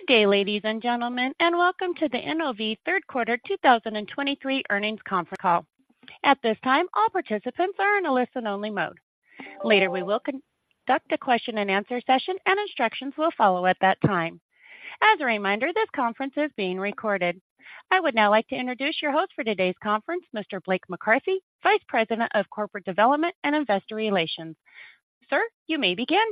Good day, ladies and gentlemen, and welcome to the NOV third quarter 2023 earnings conference call. At this time, all participants are in a listen-only mode. Later, we will conduct a question-and-answer session, and instructions will follow at that time. As a reminder, this conference is being recorded. I would now like to introduce your host for today's conference, Mr. Blake McCarthy, Vice President of Corporate Development and Investor Relations. Sir, you may begin.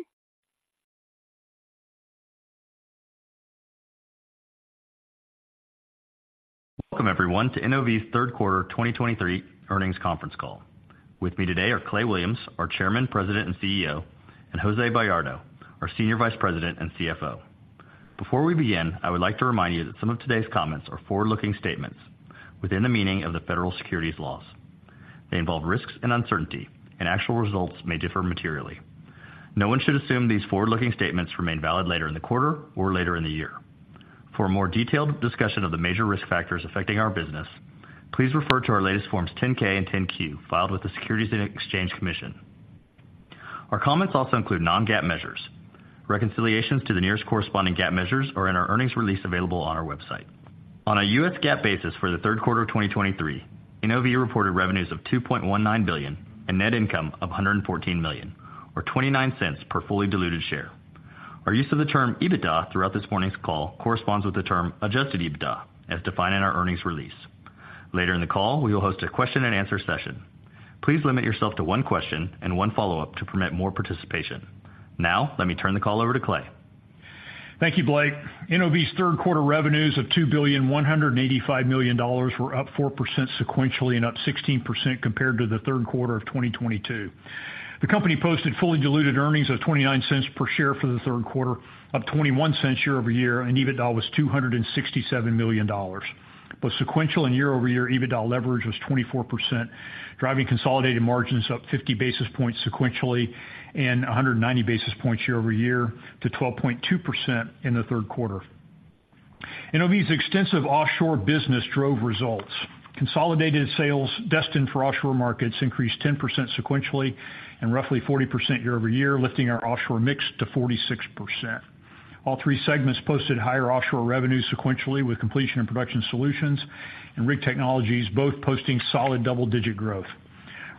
Welcome everyone, to NOV's third quarter 2023 earnings conference call. With me today are Clay Williams, our Chairman, President, and CEO, and Jose Bayardo, our Senior Vice President and CFO. Before we begin, I would like to remind you that some of today's comments are forward-looking statements within the meaning of the federal securities laws. They involve risks and uncertainty, and actual results may differ materially. No one should assume these forward-looking statements remain valid later in the quarter or later in the year. For a more detailed discussion of the major risk factors affecting our business, please refer to our latest Forms 10-K and 10-Q, filed with the Securities and Exchange Commission. Our comments also include non-GAAP measures. Reconciliations to the nearest corresponding GAAP measures are in our earnings release available on our website. On a U.S. GAAP basis for the third quarter of 2023, NOV reported revenues of $2.19 billion and net income of $114 million, or $0.29 per fully diluted share. Our use of the term EBITDA throughout this morning's call corresponds with the term adjusted EBITDA, as defined in our earnings release. Later in the call, we will host a question-and-answer session. Please limit yourself to 1 question and 1 follow-up to permit more participation. Now, let me turn the call over to Clay. Thank you, Blake. NOV's third quarter revenues of $2.185 billion were up 4% sequentially and up 16% compared to the third quarter of 2022. The company posted fully diluted earnings of $0.29 per share for the third quarter, up $0.21 year-over-year, and EBITDA was $267 million. Both sequential and year-over-year EBITDA leverage was 24%, driving consolidated margins up 50 basis points sequentially and 190 basis points year-over-year to 12.2% in the third quarter. NOV's extensive offshore business drove results. Consolidated sales destined for offshore markets increased 10% sequentially and roughly 40% year-over-year, lifting our offshore mix to 46%. All three segments posted higher offshore revenues sequentially, with Completion and Production Solutions and Rig Technologies both posting solid double-digit growth.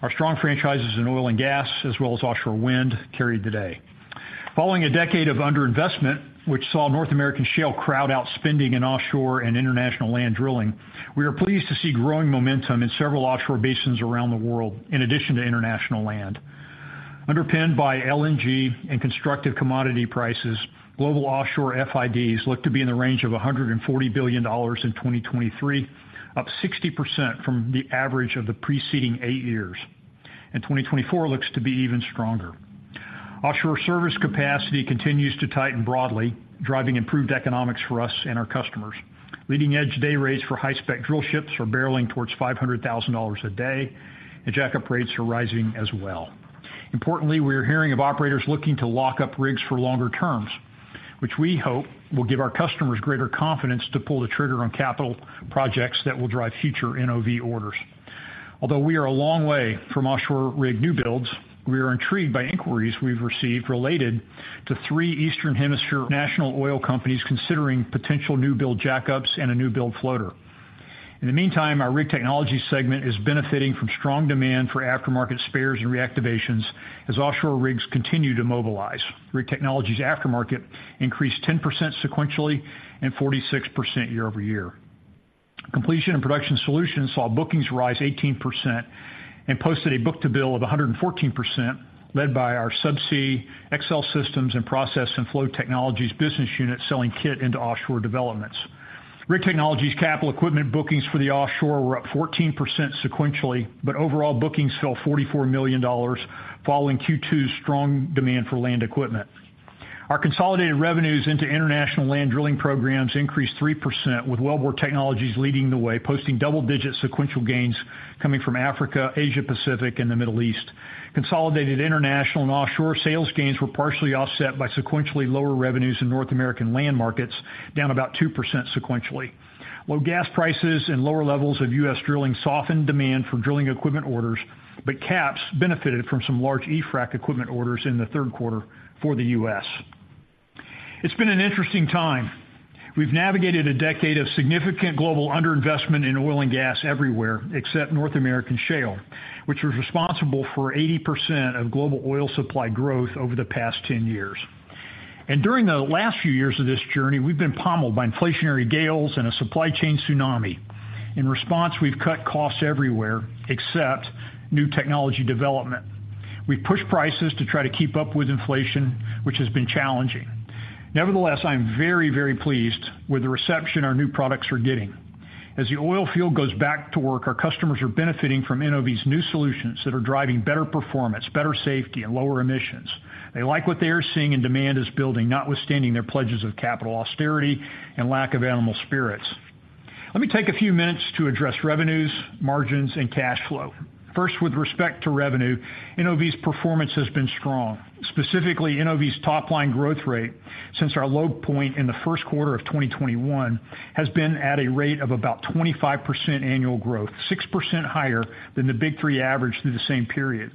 Our strong franchises in oil and gas, as well as offshore wind, carried the day. Following a decade of underinvestment, which saw North American shale crowd out spending in offshore and international land drilling, we are pleased to see growing momentum in several offshore basins around the world, in addition to international land. Underpinned by LNG and constructive commodity prices, global offshore FIDs look to be in the range of $140 billion in 2023, up 60% from the average of the preceding eight years, and 2024 looks to be even stronger. Offshore service capacity continues to tighten broadly, driving improved economics for us and our customers. Leading edge day rates for high-spec drill ships are barreling towards $500,000 a day, and jackup rates are rising as well. Importantly, we are hearing of operators looking to lock up rigs for longer terms, which we hope will give our customers greater confidence to pull the trigger on capital projects that will drive future NOV orders. Although we are a long way from offshore rig newbuilds, we are intrigued by inquiries we've received related to three Eastern Hemisphere national oil companies considering potential newbuild jackups and a newbuild floater. In the meantime, our Rig Technology segment is benefiting from strong demand for aftermarket spares and reactivations as offshore rigs continue to mobilize. Rig Technologies aftermarket increased 10% sequentially and 46% year-over-year. Completion and Production Solutions saw bookings rise 18% and posted a book-to-bill of 114%, led by our Subsea, XL Systems, and Process and Flow Technologies business unit selling kit into offshore developments. Rig Technologies capital equipment bookings for the offshore were up 14% sequentially, but overall bookings fell $44 million, following Q2's strong demand for land equipment. Our consolidated revenues into international land drilling programs increased 3%, with Wellbore Technologies leading the way, posting double-digit sequential gains coming from Africa, Asia Pacific, and the Middle East. Consolidated, international and offshore sales gains were partially offset by sequentially lower revenues in North American land markets, down about 2% sequentially. Low gas prices and lower levels of U.S. drilling softened demand for drilling equipment orders, but CAPS benefited from some large eFrac equipment orders in the third quarter for the U.S. It's been an interesting time. We've navigated a decade of significant global underinvestment in oil and gas everywhere, except North American shale, which was responsible for 80% of global oil supply growth over the past 10 years. During the last few years of this journey, we've been pummeled by inflationary gales and a supply chain tsunami. In response, we've cut costs everywhere except new technology development. We've pushed prices to try to keep up with inflation, which has been challenging. Nevertheless, I'm very, very pleased with the reception our new products are getting. As the oilfield goes back to work, our customers are benefiting from NOV's new solutions that are driving better performance, better safety, and lower emissions. They like what they are seeing, and demand is building, notwithstanding their pledges of capital austerity and lack of animal spirits. Let me take a few minutes to address revenues, margins, and cash flow. First, with respect to revenue, NOV's performance has been strong. Specifically, NOV's top-line growth rate since our low point in the first quarter of 2021 has been at a rate of about 25% annual growth, 6% higher than the Big Three average through the same period.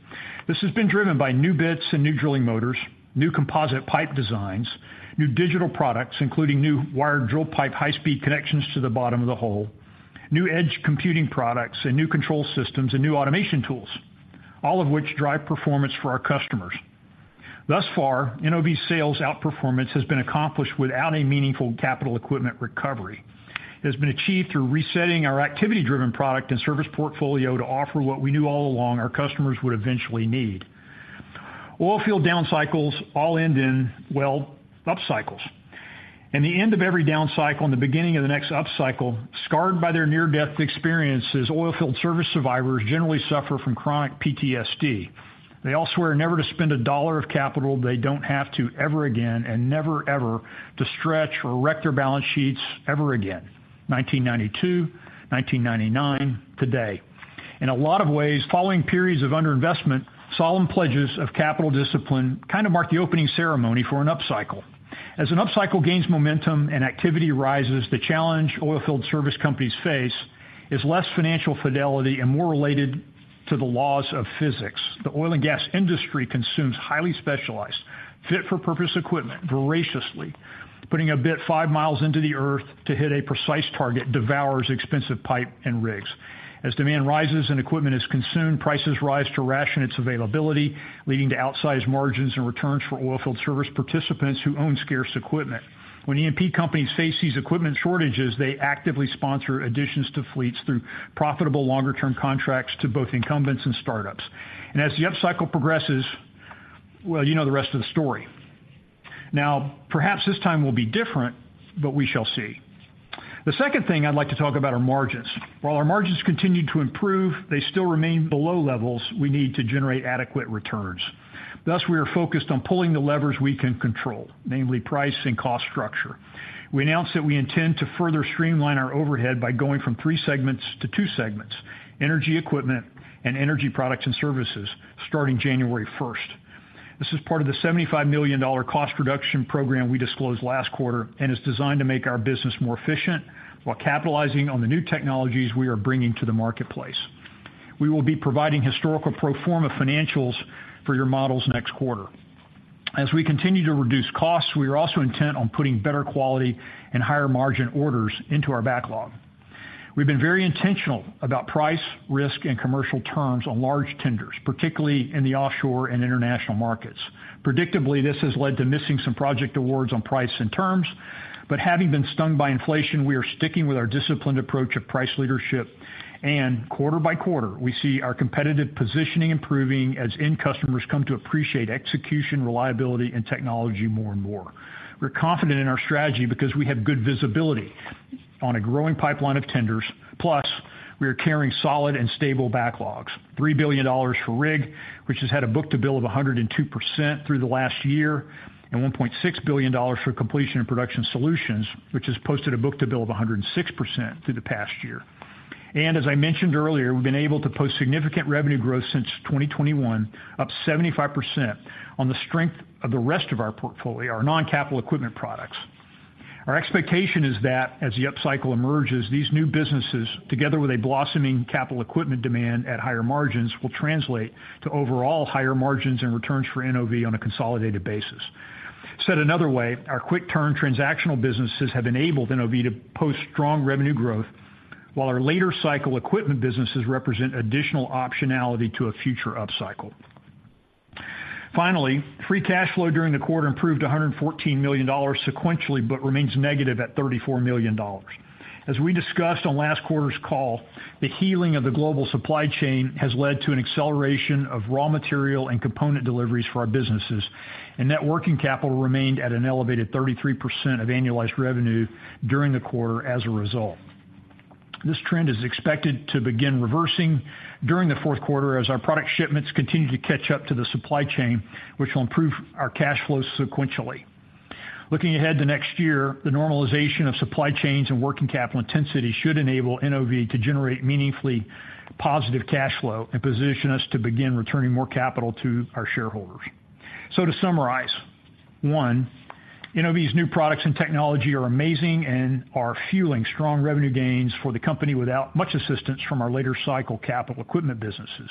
This has been driven by new bits and new drilling motors, new composite pipe designs, new digital products, including new wired drill pipe, high-speed connections to the bottom of the hole, new edge computing products and new control systems and new automation tools, all of which drive performance for our customers.... Thus far, NOV sales outperformance has been accomplished without a meaningful capital equipment recovery. It has been achieved through resetting our activity-driven product and service portfolio to offer what we knew all along our customers would eventually need. Oilfield down cycles all end in, well, up cycles. At the end of every down cycle and the beginning of the next up cycle, scarred by their near-death experiences, oilfield service survivors generally suffer from chronic PTSD. They all swear never to spend a dollar of capital they don't have to ever again, and never, ever to stretch or wreck their balance sheets ever again. 1992, 1999, today. In a lot of ways, following periods of underinvestment, solemn pledges of capital discipline kind of mark the opening ceremony for an up cycle. As an up cycle gains momentum and activity rises, the challenge oilfield service companies face is less financial fidelity and more related to the laws of physics. The oil and gas industry consumes highly specialized, fit-for-purpose equipment voraciously, putting a bit five miles into the Earth to hit a precise target devours expensive pipe and rigs. As demand rises and equipment is consumed, prices rise to ration its availability, leading to outsized margins and returns for oilfield service participants who own scarce equipment. When E&P companies face these equipment shortages, they actively sponsor additions to fleets through profitable, longer-term contracts to both incumbents and startups. And as the up cycle progresses, well, you know the rest of the story. Now, perhaps this time will be different, but we shall see. The second thing I'd like to talk about are margins. While our margins continued to improve, they still remain below levels we need to generate adequate returns. Thus, we are focused on pulling the levers we can control, namely price and cost structure. We announced that we intend to further streamline our overhead by going from three segments to two segments, Energy Equipment and Energy Products and Services, starting January 1st. This is part of the $75 million cost reduction program we disclosed last quarter, and is designed to make our business more efficient while capitalizing on the new technologies we are bringing to the marketplace. We will be providing historical pro forma financials for your models next quarter. As we continue to reduce costs, we are also intent on putting better quality and higher margin orders into our backlog. We've been very intentional about price, risk, and commercial terms on large tenders, particularly in the offshore and international markets. Predictably, this has led to missing some project awards on price and terms, but having been stung by inflation, we are sticking with our disciplined approach of price leadership, and quarter by quarter, we see our competitive positioning improving as end customers come to appreciate execution, reliability, and technology more and more. We're confident in our strategy because we have good visibility on a growing pipeline of tenders, plus we are carrying solid and stable backlogs. $3 billion for rig, which has had a book-to-bill of 102% through the last year, and $1.6 billion for Completion and Production Solutions, which has posted a book-to-bill of 106% through the past year. And as I mentioned earlier, we've been able to post significant revenue growth since 2021, up 75% on the strength of the rest of our portfolio, our non-capital equipment products. Our expectation is that as the up cycle emerges, these new businesses, together with a blossoming capital equipment demand at higher margins, will translate to overall higher margins and returns for NOV on a consolidated basis. Said another way, our quick turn transactional businesses have enabled NOV to post strong revenue growth, while our later cycle equipment businesses represent additional optionality to a future up cycle. Finally, free cash flow during the quarter improved $114 million sequentially, but remains negative at $34 million. As we discussed on last quarter's call, the healing of the global supply chain has led to an acceleration of raw material and component deliveries for our businesses, and net working capital remained at an elevated 33% of annualized revenue during the quarter as a result. This trend is expected to begin reversing during the fourth quarter as our product shipments continue to catch up to the supply chain, which will improve our cash flow sequentially. Looking ahead to next year, the normalization of supply chains and working capital intensity should enable NOV to generate meaningfully positive cash flow and position us to begin returning more capital to our shareholders. So to summarize, one, NOV's new products and technology are amazing and are fueling strong revenue gains for the company without much assistance from our later cycle capital equipment businesses.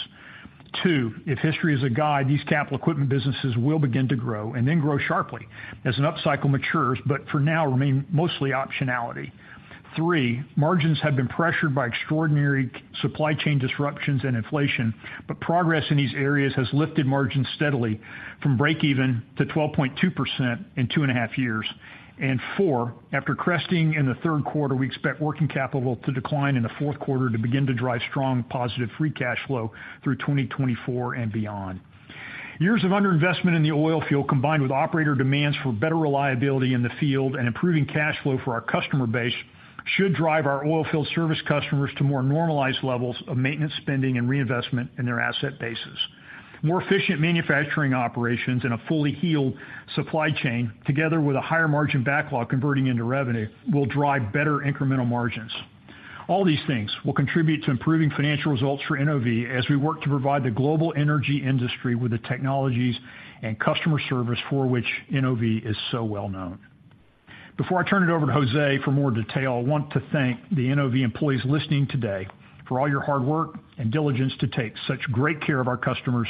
Two, if history is a guide, these capital equipment businesses will begin to grow and then grow sharply as an up cycle matures, but for now, remain mostly optionality. Three, margins have been pressured by extraordinary supply chain disruptions and inflation, but progress in these areas has lifted margins steadily from break even to 12.2% in 2.5 years. And four, after cresting in the third quarter, we expect working capital to decline in the fourth quarter to begin to drive strong, positive free cash flow through 2024 and beyond. Years of underinvestment in the oilfield, combined with operator demands for better reliability in the field and improving cash flow for our customer base, should drive our oilfield service customers to more normalized levels of maintenance, spending, and reinvestment in their asset bases. More efficient manufacturing operations and a fully healed supply chain, together with a higher margin backlog converting into revenue, will drive better incremental margins. All these things will contribute to improving financial results for NOV as we work to provide the global energy industry with the technologies and customer service for which NOV is so well known. Before I turn it over to Jose for more detail, I want to thank the NOV employees listening today for all your hard work and diligence to take such great care of our customers,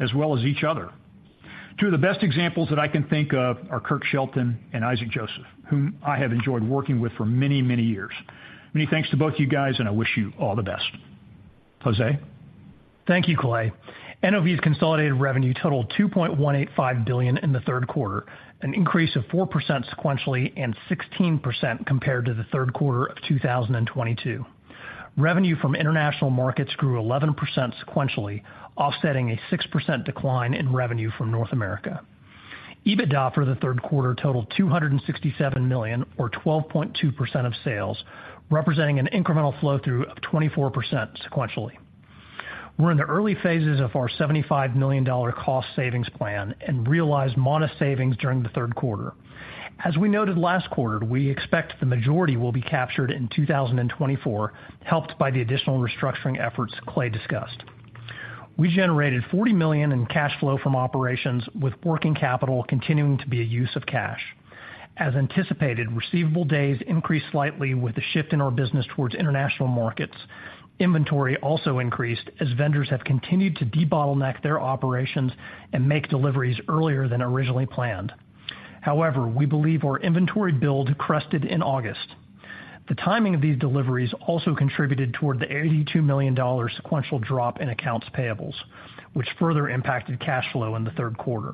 as well as each other. Two of the best examples that I can think of are Kirk Shelton and Isaac Joseph, whom I have enjoyed working with for many, many years. Many thanks to both you guys, and I wish you all the best. Jose? Thank you, Clay. NOV's consolidated revenue totaled $2.185 billion in the third quarter, an increase of 4% sequentially and 16% compared to the third quarter of 2022. Revenue from international markets grew 11% sequentially, offsetting a 6% decline in revenue from North America. EBITDA for the third quarter totaled $267 million, or 12.2% of sales, representing an incremental flow-through of 24% sequentially. We're in the early phases of our $75 million cost savings plan and realized modest savings during the third quarter. As we noted last quarter, we expect the majority will be captured in 2024, helped by the additional restructuring efforts Clay discussed. We generated $40 million in cash flow from operations, with working capital continuing to be a use of cash. As anticipated, receivable days increased slightly with a shift in our business towards international markets. Inventory also increased as vendors have continued to debottleneck their operations and make deliveries earlier than originally planned. However, we believe our inventory build crested in August. The timing of these deliveries also contributed toward the $82 million sequential drop in accounts payables, which further impacted cash flow in the third quarter.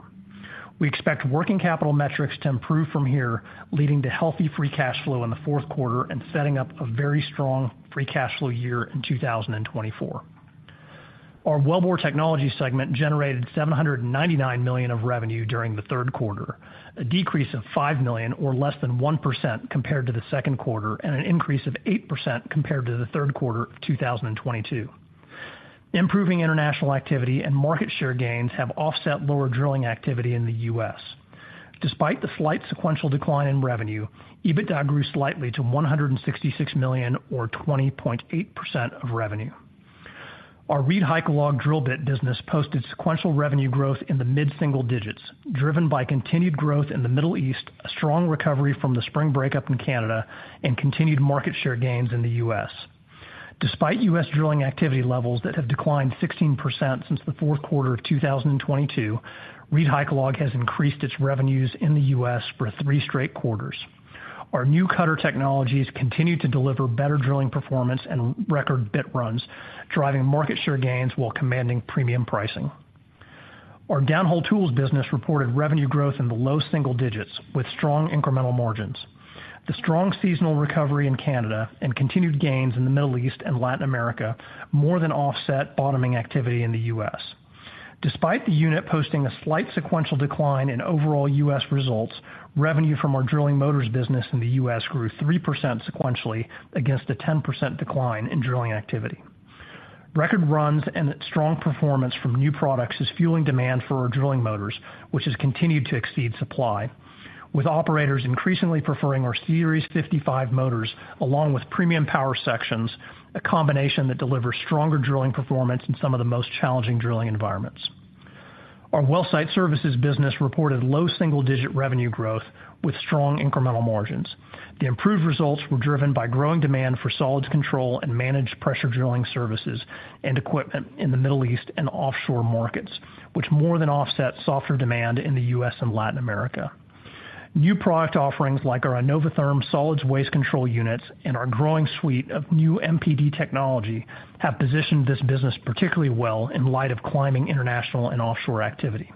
We expect working capital metrics to improve from here, leading to healthy free cash flow in the fourth quarter and setting up a very strong free cash flow year in 2024. Our Wellbore Technology segment generated $799 million of revenue during the third quarter, a decrease of $5 million or less than 1% compared to the second quarter, and an increase of 8% compared to the third quarter of 2022. Improving international activity and market share gains have offset lower drilling activity in the U.S. Despite the slight sequential decline in revenue, EBITDA grew slightly to $166 million, or 20.8% of revenue. Our ReedHycalog drill bit business posted sequential revenue growth in the mid-single digits, driven by continued growth in the Middle East, a strong recovery from the spring breakup in Canada, and continued market share gains in the U.S. Despite U.S. drilling activity levels that have declined 16% since the fourth quarter of 2022, ReedHycalog has increased its revenues in the U.S. for three straight quarters. Our new cutter technologies continue to deliver better drilling performance and record bit runs, driving market share gains while commanding premium pricing. Our Downhole tools business reported revenue growth in the low single digits with strong incremental margins. The strong seasonal recovery in Canada and continued gains in the Middle East and Latin America more than offset bottoming activity in the U.S. Despite the unit posting a slight sequential decline in overall U.S. results, revenue from our drilling motors business in the U.S. grew 3% sequentially against a 10% decline in drilling activity. Record runs and strong performance from new products is fueling demand for our drilling motors, which has continued to exceed supply, with operators increasingly preferring our Series 55 motors, along with premium power sections, a combination that delivers stronger drilling performance in some of the most challenging drilling environments. Our Wellsite Services business reported low single-digit revenue growth with strong incremental margins. The improved results were driven by growing demand for solids control and managed pressure drilling services and equipment in the Middle East and offshore markets, which more than offset softer demand in the U.S. and Latin America. New product offerings like our InnovaTherm solids waste control units and our growing suite of new MPD technology have positioned this business particularly well in light of climbing international and offshore activity.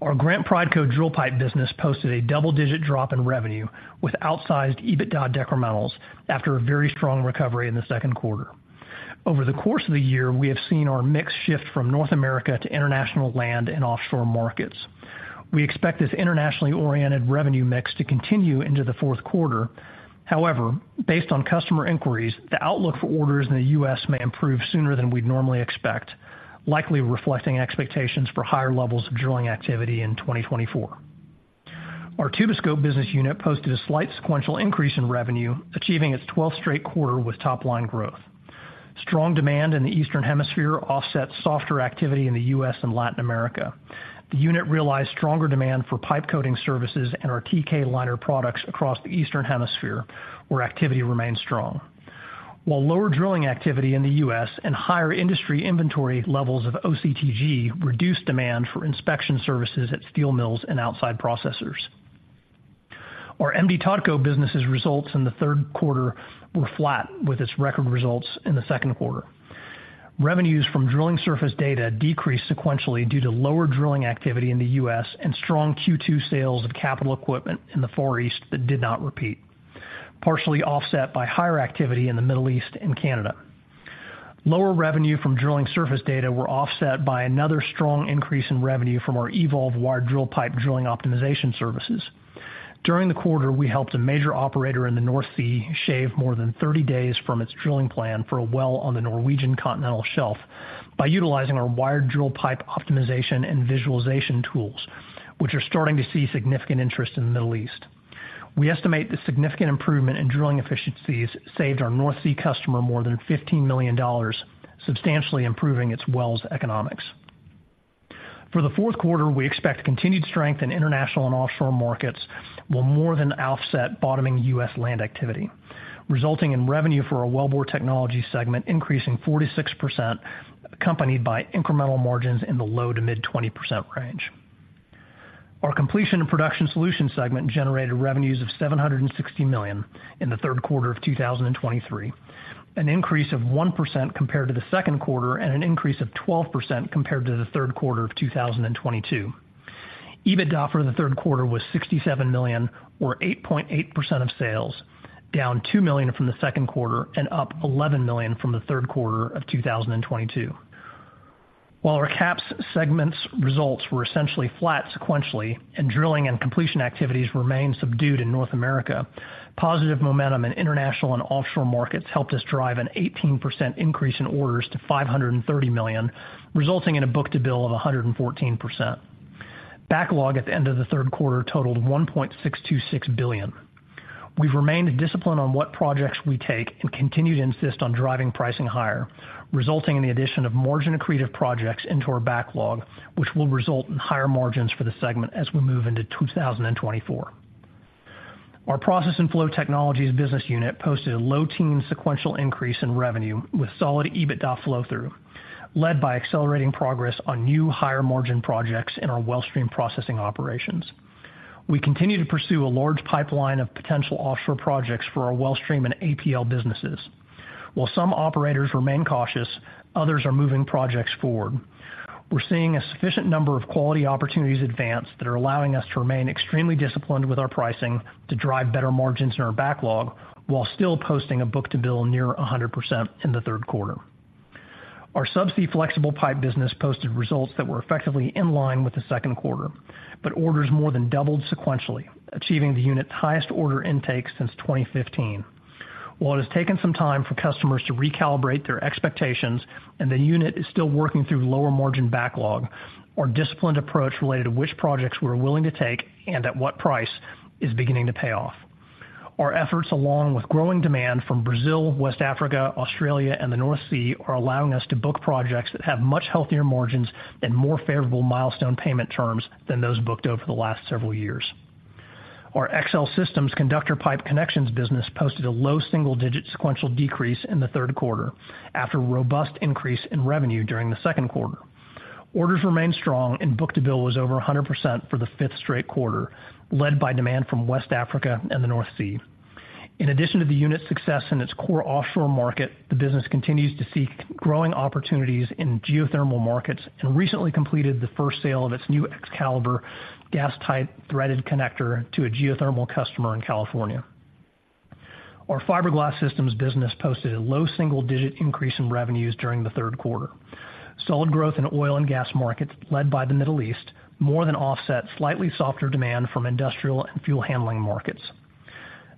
Our Grant Prideco drill pipe business posted a double-digit drop in revenue, with outsized EBITDA decrementals after a very strong recovery in the second quarter. Over the course of the year, we have seen our mix shift from North America to international land and offshore markets. We expect this internationally oriented revenue mix to continue into the fourth quarter. However, based on customer inquiries, the outlook for orders in the U.S. may improve sooner than we'd normally expect, likely reflecting expectations for higher levels of drilling activity in 2024. Our Tuboscope business unit posted a slight sequential increase in revenue, achieving its 12th straight quarter with top-line growth. Strong demand in the Eastern Hemisphere offset softer activity in the U.S. and Latin America. The unit realized stronger demand for pipe coating services and our TK-Liner products across the Eastern Hemisphere, where activity remains strong. While lower drilling activity in the U.S. and higher industry inventory levels of OCTG reduced demand for inspection services at steel mills and outside processors. Our M/D Totco business's results in the third quarter were flat, with its record results in the second quarter. Revenues from drilling surface data decreased sequentially due to lower drilling activity in the U.S. and strong Q2 sales of capital equipment in the Far East that did not repeat, partially offset by higher activity in the Middle East and Canada. Lower revenue from drilling surface data were offset by another strong increase in revenue from our eVolve wired drill pipe drilling optimization services. During the quarter, we helped a major operator in the North Sea shave more than 30 days from its drilling plan for a well on the Norwegian Continental Shelf by utilizing our wired drill pipe optimization and visualization tools, which are starting to see significant interest in the Middle East. We estimate the significant improvement in drilling efficiencies saved our North Sea customer more than $15 million, substantially improving its wells' economics. For the fourth quarter, we expect continued strength in international and offshore markets will more than offset bottoming U.S. land activity, resulting in revenue for our Wellbore Technology segment increasing 46%, accompanied by incremental margins in the low-to-mid 20% range. Our Completion and Production Solutions segment generated revenues of $760 million in the third quarter of 2023, an increase of 1% compared to the second quarter and an increase of 12% compared to the third quarter of 2022. EBITDA for the third quarter was $67 million, or 8.8% of sales, down $2 million from the second quarter and up $11 million from the third quarter of 2022. While our CAPS segment's results were essentially flat sequentially, and drilling and completion activities remained subdued in North America, positive momentum in international and offshore markets helped us drive an 18% increase in orders to $530 million, resulting in a book-to-bill of 114%. Backlog at the end of the third quarter totaled $1.626 billion. We've remained disciplined on what projects we take and continue to insist on driving pricing higher, resulting in the addition of margin-accretive projects into our backlog, which will result in higher margins for the segment as we move into 2024. Our Process and Flow Technologies business unit posted a low-teens sequential increase in revenue, with solid EBITDA flow-through, led by accelerating progress on new higher-margin projects in our Wellstream processing operations. We continue to pursue a large pipeline of potential offshore projects for our Wellstream and APL businesses. While some operators remain cautious, others are moving projects forward. We're seeing a sufficient number of quality opportunities advance that are allowing us to remain extremely disciplined with our pricing to drive better margins in our backlog, while still posting a book-to-bill near 100% in the third quarter. Our Subsea flexible pipe business posted results that were effectively in line with the second quarter, but orders more than doubled sequentially, achieving the unit's highest order intake since 2015. While it has taken some time for customers to recalibrate their expectations and the unit is still working through lower-margin backlog, our disciplined approach related to which projects we're willing to take and at what price is beginning to pay off. Our efforts, along with growing demand from Brazil, West Africa, Australia, and the North Sea, are allowing us to book projects that have much healthier margins and more favorable milestone payment terms than those booked over the last several years. Our XL Systems conductor pipe connections business posted a low single-digit sequential decrease in the third quarter after a robust increase in revenue during the second quarter. Orders remained strong and book-to-bill was over 100% for the fifth straight quarter, led by demand from West Africa and the North Sea. In addition to the unit's success in its core offshore market, the business continues to seek growing opportunities in geothermal markets and recently completed the first sale of its new X-Calibur gas-tight threaded connector to a geothermal customer in California. Our Fiber Glass Systems business posted a low single-digit increase in revenues during the third quarter. Solid growth in oil and gas markets, led by the Middle East, more than offset slightly softer demand from industrial and fuel handling markets.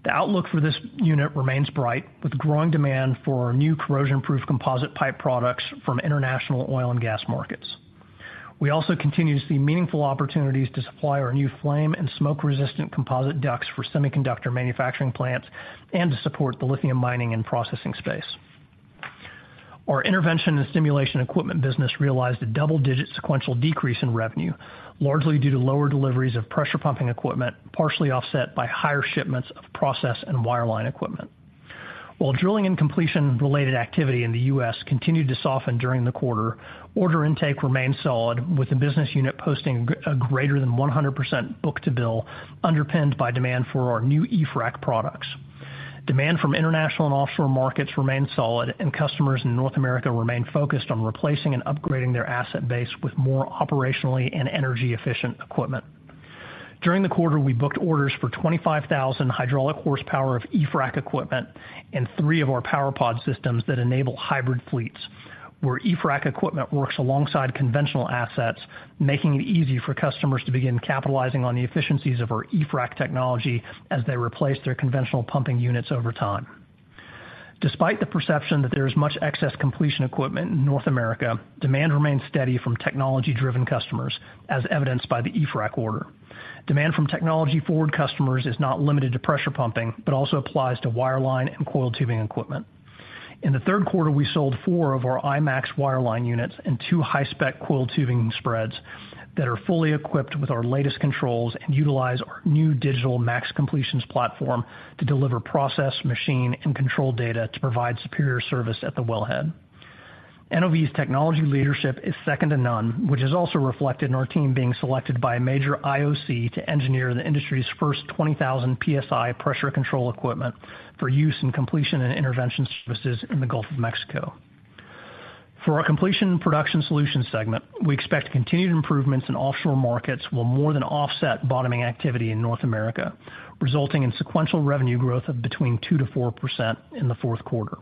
The outlook for this unit remains bright, with growing demand for new corrosion-proof composite pipe products from international oil and gas markets. We also continue to see meaningful opportunities to supply our new flame and smoke-resistant composite ducts for semiconductor manufacturing plants and to support the lithium mining and processing space. Our Intervention and Stimulation Equipment business realized a double-digit sequential decrease in revenue, largely due to lower deliveries of pressure pumping equipment, partially offset by higher shipments of process and wireline equipment. While drilling and completion-related activity in the U.S. continued to soften during the quarter, order intake remained solid, with the business unit posting a greater than 100% book-to-bill, underpinned by demand for our new eFrac products. Demand from international and offshore markets remained solid, and customers in North America remained focused on replacing and upgrading their asset base with more operationally and energy-efficient equipment. During the quarter, we booked orders for 25,000 hydraulic horsepower of eFrac equipment and three of our PowerPod systems that enable hybrid fleets, where eFrac equipment works alongside conventional assets, making it easy for customers to begin capitalizing on the efficiencies of our eFrac technology as they replace their conventional pumping units over time. Despite the perception that there is much excess completion equipment in North America, demand remains steady from technology-driven customers, as evidenced by the eFrac order. Demand from technology-forward customers is not limited to pressure pumping, but also applies to wireline and coiled tubing equipment. In the third quarter, we sold four of our i-Max wireline units and two high-spec coiled tubing spreads that are fully equipped with our latest controls and utilize our new digital Max completions platform to deliver process, machine, and control data to provide superior service at the wellhead. NOV's technology leadership is second to none, which is also reflected in our team being selected by a major IOC to engineer the industry's first 20,000 PSI pressure control equipment for use in completion and intervention services in the Gulf of Mexico. For our Completion Production Solutions segment, we expect continued improvements in offshore markets will more than offset bottoming activity in North America, resulting in sequential revenue growth of between 2%-4% in the fourth quarter.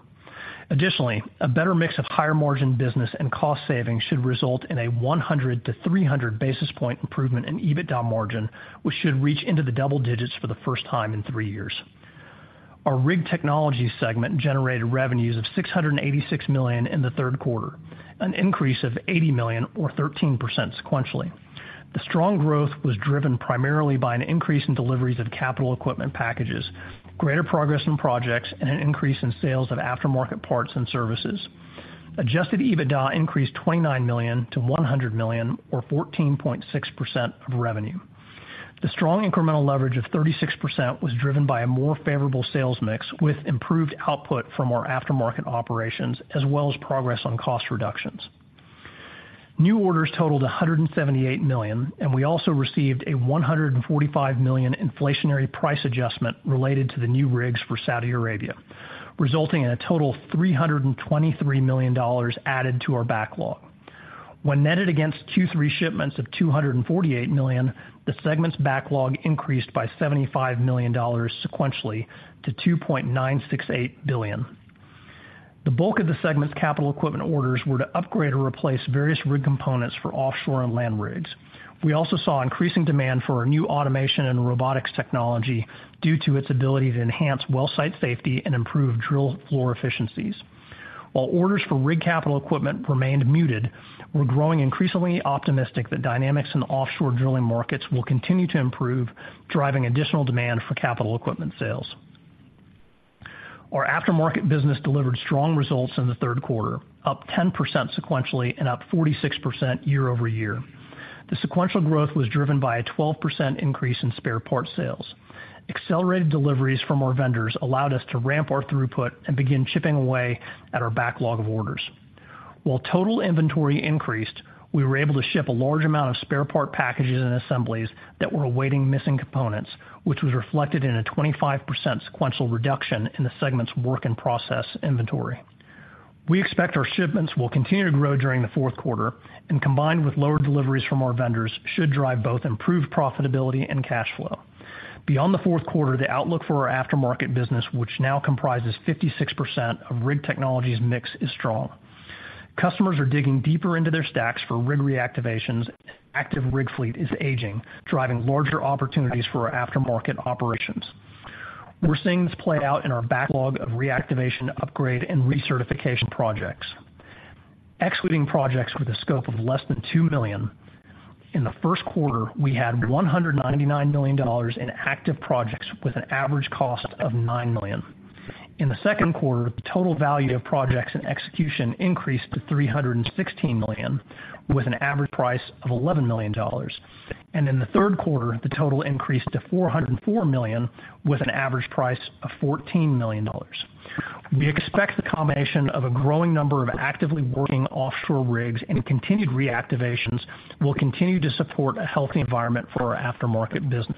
Additionally, a better mix of higher-margin business and cost savings should result in a 100-300 basis point improvement in EBITDA margin, which should reach into the double digits for the first time in three years. Our Rig Technology segment generated revenues of $686 million in the third quarter, an increase of $80 million or 13% sequentially. The strong growth was driven primarily by an increase in deliveries of capital equipment packages, greater progress in projects, and an increase in sales of aftermarket parts and services. Adjusted EBITDA increased $29 million to $100 million, or 14.6% of revenue. The strong incremental leverage of 36% was driven by a more favorable sales mix, with improved output from our aftermarket operations, as well as progress on cost reductions. New orders totaled $178 million, and we also received a $145 million inflationary price adjustment related to the new rigs for Saudi Arabia, resulting in a total of $323 million added to our backlog. When netted against Q3 shipments of $248 million, the segment's backlog increased by $75 million sequentially to $2.968 billion. The bulk of the segment's capital equipment orders were to upgrade or replace various rig components for offshore and land rigs. We also saw increasing demand for our new automation and robotics technology due to its ability to enhance well site safety and improve drill floor efficiencies. While orders for rig capital equipment remained muted, we're growing increasingly optimistic that dynamics in the offshore drilling markets will continue to improve, driving additional demand for capital equipment sales. Our aftermarket business delivered strong results in the third quarter, up 10% sequentially and up 46% year-over-year. The sequential growth was driven by a 12% increase in spare parts sales. Accelerated deliveries from our vendors allowed us to ramp our throughput and begin chipping away at our backlog of orders. While total inventory increased, we were able to ship a large amount of spare part packages and assemblies that were awaiting missing components, which was reflected in a 25% sequential reduction in the segment's work in process inventory. We expect our shipments will continue to grow during the fourth quarter, and combined with lower deliveries from our vendors, should drive both improved profitability and cash flow. Beyond the fourth quarter, the outlook for our aftermarket business, which now comprises 56% of Rig Technology's mix, is strong. Customers are digging deeper into their stacks for rig reactivations. Active rig fleet is aging, driving larger opportunities for our aftermarket operations. We're seeing this play out in our backlog of reactivation, upgrade, and recertification projects. Excluding projects with a scope of less than $2 million, in the first quarter, we had $199 million in active projects with an average cost of $9 million. In the second quarter, the total value of projects and execution increased to $316 million, with an average price of $11 million. In the third quarter, the total increased to $404 million, with an average price of $14 million. We expect the combination of a growing number of actively working offshore rigs and continued reactivations will continue to support a healthy environment for our aftermarket business.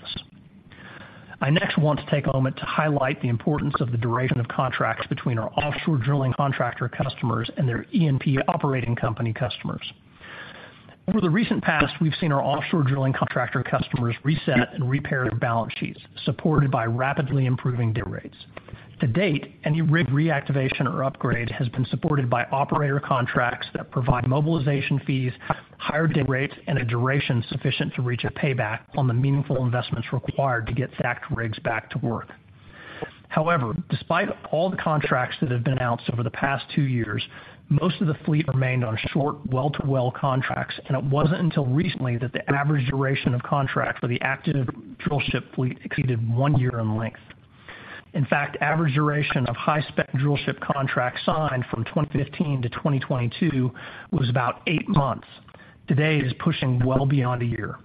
I next want to take a moment to highlight the importance of the duration of contracts between our offshore drilling contractor customers and their E&P operating company customers. Over the recent past, we've seen our offshore drilling contractor customers reset and repair their balance sheets, supported by rapidly improving day rates. To date, any rig reactivation or upgrade has been supported by operator contracts that provide mobilization fees, higher day rates, and a duration sufficient to reach a payback on the meaningful investments required to get stacked rigs back to work. However, despite all the contracts that have been announced over the past two years, most of the fleet remained on short well-to-well contracts, and it wasn't until recently that the average duration of contract for the active drillship fleet exceeded one year in length. In fact, average duration of high-spec drillship contracts signed from 2015 to 2022 was about eight months. Today, it is pushing well beyond a year.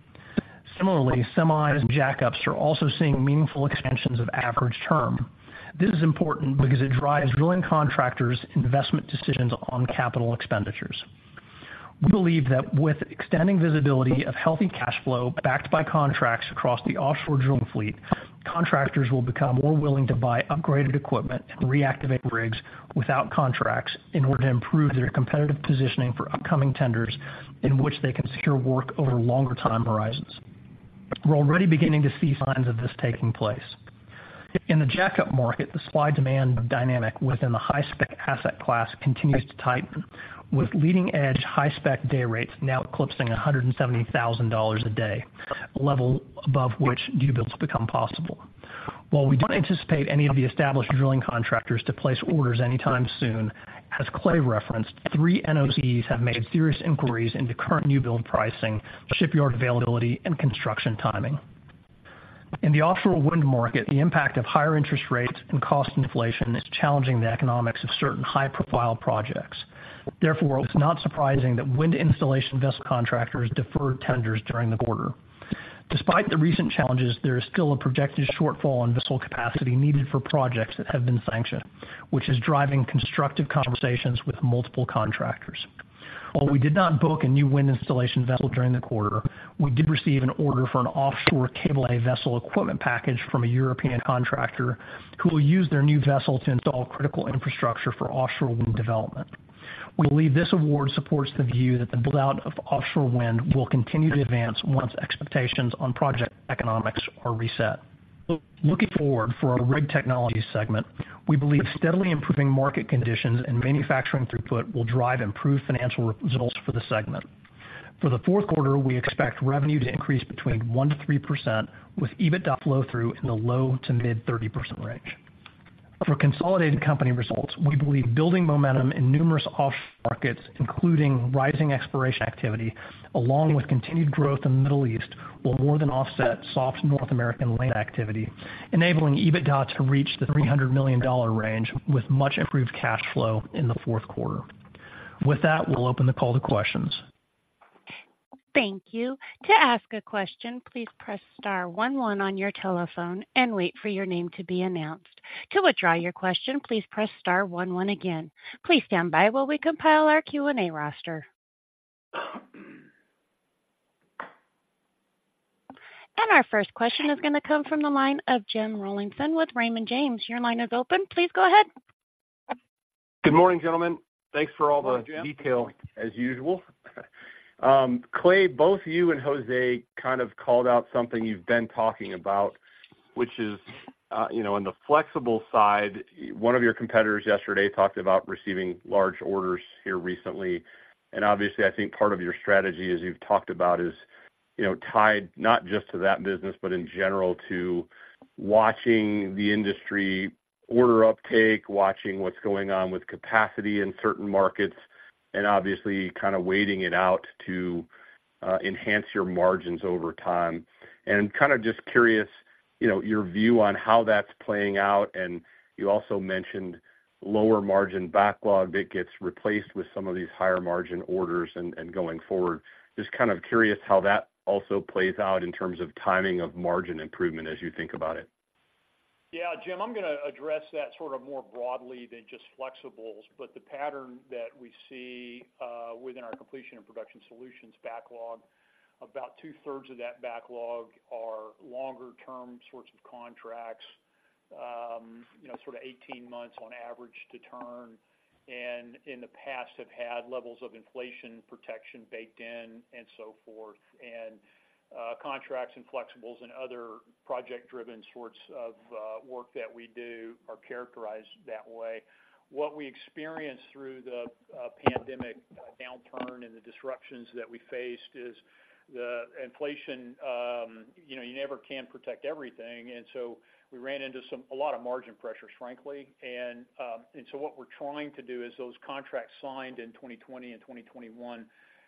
Similarly, semis and jackups are also seeing meaningful extensions of average term. This is important because it drives drilling contractors' investment decisions on capital expenditures. We believe that with extending visibility of healthy cash flow backed by contracts across the offshore drilling fleet, contractors will become more willing to buy upgraded equipment and reactivate rigs without contracts in order to improve their competitive positioning for upcoming tenders in which they can secure work over longer time horizons. We're already beginning to see signs of this taking place. In the jackup market, the supply-demand dynamic within the high-spec asset class continues to tighten, with leading-edge high-spec day rates now eclipsing $170,000 a day, a level above which newbuilds become possible. While we don't anticipate any of the established drilling contractors to place orders anytime soon, as Clay referenced, three NOCs have made serious inquiries into current newbuild pricing, shipyard availability, and construction timing. In the offshore wind market, the impact of higher interest rates and cost inflation is challenging the economics of certain high-profile projects. Therefore, it's not surprising that wind installation vessel contractors deferred tenders during the quarter. Despite the recent challenges, there is still a projected shortfall in vessel capacity needed for projects that have been sanctioned, which is driving constructive conversations with multiple contractors. While we did not book a new wind installation vessel during the quarter, we did receive an order for an offshore cable-lay vessel equipment package from a European contractor, who will use their new vessel to install critical infrastructure for offshore wind development. We believe this award supports the view that the build-out of offshore wind will continue to advance once expectations on project economics are reset. Looking forward, for our Rig Technologies segment, we believe steadily improving market conditions and manufacturing throughput will drive improved financial results for the segment. For the fourth quarter, we expect revenue to increase between 1%-3%, with EBITDA flow through in the low- to mid-30% range. For consolidated company results, we believe building momentum in numerous offshore markets, including rising exploration activity, along with continued growth in the Middle East, will more than offset soft North American land activity, enabling EBITDA to reach the $300 million range, with much improved cash flow in the fourth quarter. With that, we'll open the call to questions. Thank you. To ask a question, please press star one one on your telephone and wait for your name to be announced. To withdraw your question, please press star one one again. Please stand by while we compile our Q&A roster. Our first question is gonna come from the line of Jim Rollyson with Raymond James. Your line is open. Please go ahead. Good morning, gentlemen. Thanks for all the- Good morning, Jim. - detail, as usual. Clay, both you and Jose kind of called out something you've been talking about, which is, you know, on the flexible side, one of your competitors yesterday talked about receiving large orders here recently. Obviously, I think part of your strategy, as you've talked about, is, you know, tied not just to that business, but in general, to watching the industry order uptake, watching what's going on with capacity in certain markets, and obviously, kind of waiting it out to enhance your margins over time. Kind of just curious, you know, your view on how that's playing out. You also mentioned lower margin backlog that gets replaced with some of these higher margin orders and going forward. Just kind of curious how that also plays out in terms of timing of margin improvement as you think about it. Yeah, Jim, I'm gonna address that sort of more broadly than just flexibles. But the pattern that we see within our Completion and Production Solutions backlog, about two-thirds of that backlog are longer term sorts of contracts. You know, sort of 18 months on average to turn, and in the past, have had levels of inflation protection baked in and so forth. And contracts and flexibles and other project-driven sorts of work that we do are characterized that way. What we experienced through the pandemic downturn and the disruptions that we faced is the inflation. You know, you never can protect everything. And so we ran into some a lot of margin pressures, frankly. And so what we're trying to do is those contracts signed in 2020 and 2021,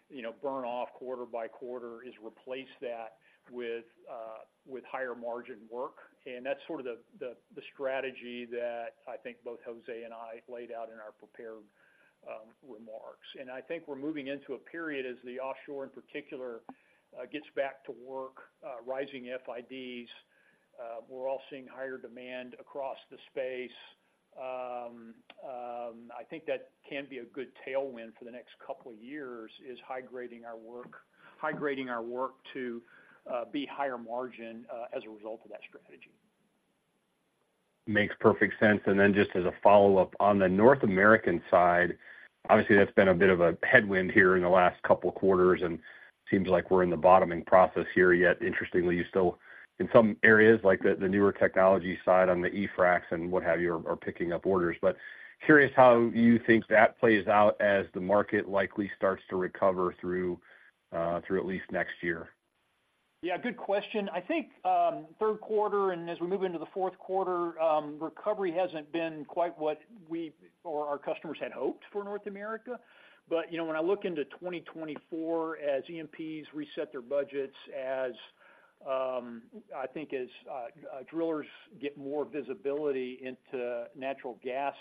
you know, burn off quarter by quarter, is replace that with higher margin work. And that's sort of the strategy that I think both Jose and I laid out in our prepared remarks. And I think we're moving into a period as the offshore, in particular, gets back to work, rising FIDs. We're all seeing higher demand across the space. I think that can be a good tailwind for the next couple of years, is high grading our work, high grading our work to be higher margin as a result of that strategy. Makes perfect sense. Then just as a follow-up, on the North American side, obviously, that's been a bit of a headwind here in the last couple of quarters, and seems like we're in the bottoming process here. Yet interestingly, you still, in some areas, like the newer technology side on the eFracs and what have you, are picking up orders. But curious how you think that plays out as the market likely starts to recover through at least next year. Yeah, good question. I think, third quarter, and as we move into the fourth quarter, recovery hasn't been quite what we or our customers had hoped for North America. But, you know, when I look into 2024, as E&Ps reset their budgets, as, I think as, drillers get more visibility into natural gas,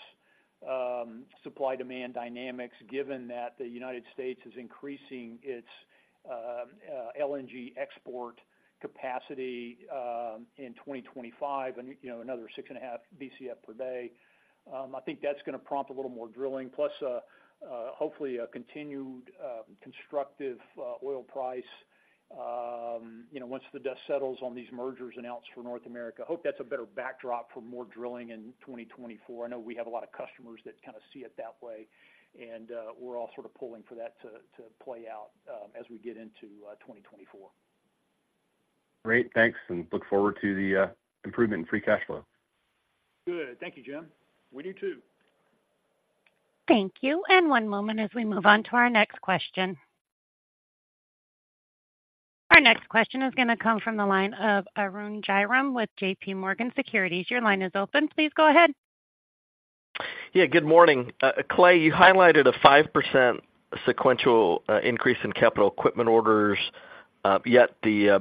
supply-demand dynamics, given that the United States is increasing its, LNG export capacity, in 2025, and, you know, another 6.5 BCF per day, I think that's gonna prompt a little more drilling. Plus, hopefully, a continued, constructive, oil price, you know, once the dust settles on these mergers announced for North America. I hope that's a better backdrop for more drilling in 2024. I know we have a lot of customers that kind of see it that way, and we're all sort of pulling for that to play out, as we get into 2024. Great. Thanks, and look forward to the improvement in free cash flow. Good. Thank you, Jim. We do, too. Thank you. And one moment as we move on to our next question. Our next question is gonna come from the line of Arun Jayaram with JPMorgan Securities. Your line is open. Please go ahead. Yeah, good morning. Clay, you highlighted a 5% sequential increase in capital equipment orders, yet the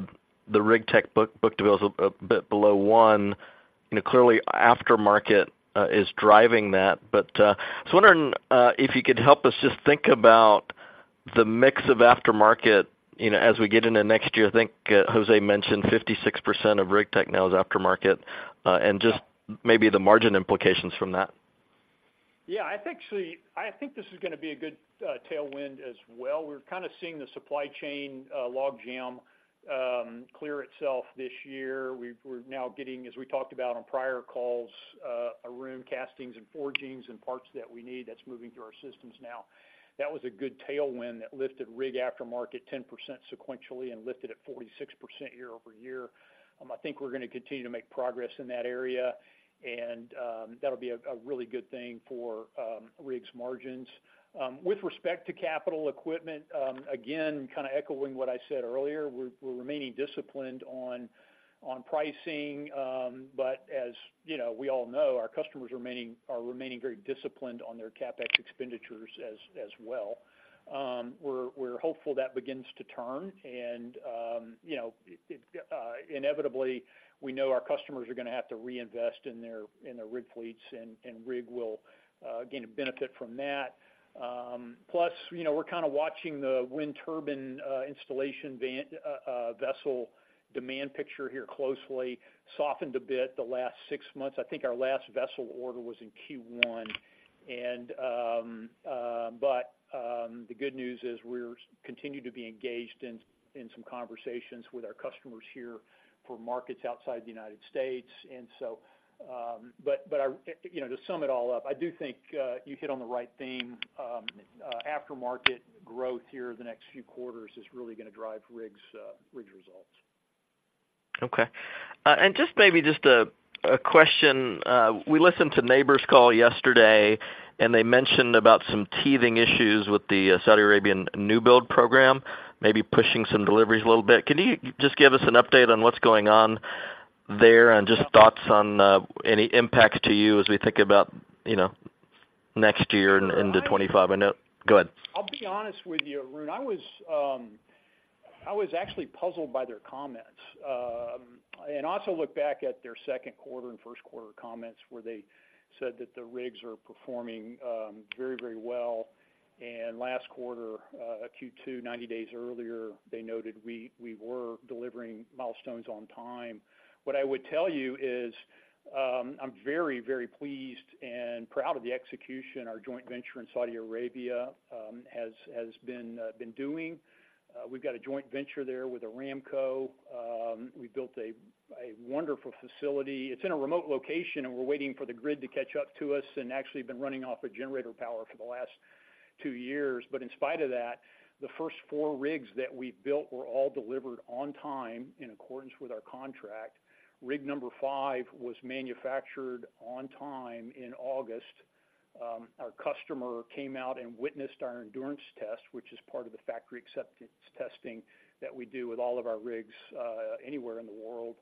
Rig Tech book-to-bill is a bit below one. You know, clearly, aftermarket is driving that. But I was wondering if you could help us just think about the mix of aftermarket, you know, as we get into next year. I think Jose mentioned 56% of Rig Tech now is aftermarket, and just maybe the margin implications from that. Yeah, I think so. I think this is gonna be a good tailwind as well. We're kind of seeing the supply chain log jam clear itself this year. We're now getting, as we talked about on prior calls, Arun, castings and forgings and parts that we need, that's moving through our systems now. That was a good tailwind that lifted rig aftermarket 10% sequentially and lifted it 46% year-over-year. I think we're gonna continue to make progress in that area, and that'll be a really good thing for rigs margins. With respect to capital equipment, again, kind of echoing what I said earlier, we're remaining disciplined on pricing. But as you know, we all know, our customers are remaining very disciplined on their CapEx expenditures as well. We're hopeful that begins to turn. And, you know, inevitably, we know our customers are gonna have to reinvest in their rig fleets, and rig will gain a benefit from that. Plus, you know, we're kind of watching the wind turbine installation vessel demand picture here closely, softened a bit the last six months. I think our last vessel order was in Q1. The good news is we continue to be engaged in some conversations with our customers here for markets outside the United States. To sum it all up, I do think you hit on the right theme. Aftermarket growth here, the next few quarters, is really gonna drive rigs results. Okay. And just maybe a question. We listened to Nabors call yesterday, and they mentioned about some teething issues with the Saudi Arabian newbuild program, maybe pushing some deliveries a little bit. Can you just give us an update on what's going on there, and just thoughts on any impact to you as we think about, you know, next year into 2025? I know - go ahead. I'll be honest with you, Arun. I was actually puzzled by their comments. And also looked back at their second quarter and first quarter comments, where they said that the rigs are performing very, very well. And last quarter, Q2, 90 days earlier, they noted we were delivering milestones on time. What I would tell you is, I'm very, very pleased and proud of the execution. Our joint venture in Saudi Arabia has been doing. We've got a joint venture there with Aramco. We built a wonderful facility. It's in a remote location, and we're waiting for the grid to catch up to us, and actually been running off a generator power for the last two years. But in spite of that, the first four rigs that we built were all delivered on time, in accordance with our contract. Rig number five was manufactured on time in August. Our customer came out and witnessed our endurance test, which is part of the factory acceptance testing that we do with all of our rigs, anywhere in the world,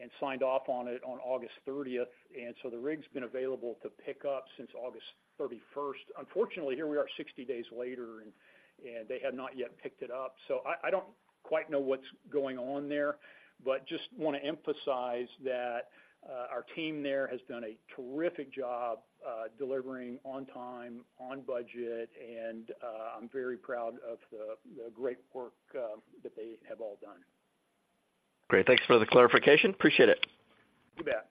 and signed off on it on August 30th. And so the rig's been available to pick up since August 31st. Unfortunately, here we are, 60 days later, and they have not yet picked it up. So I don't quite know what's going on there, but just wanna emphasize that our team there has done a terrific job, delivering on time, on budget, and I'm very proud of the great work that they have all done. Great. Thanks for the clarification. Appreciate it. You bet.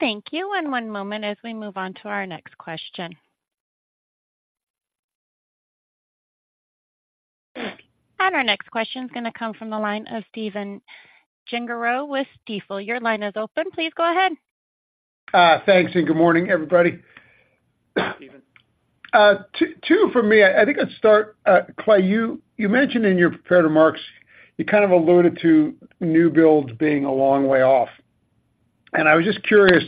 Thank you. And one moment as we move on to our next question. And our next question is gonna come from the line of Stephen Gengaro with Stifel. Your line is open. Please go ahead. Thanks, and good morning, everybody. Stephen. Two for me. I think I'd start, Clay, you mentioned in your prepared remarks, you kind of alluded to newbuilds being a long way off. And I was just curious,